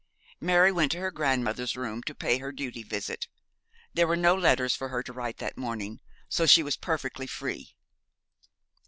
Mary went to her grandmother's room to pay her duty visit. There were no letters for her to write that morning, so she was perfectly free.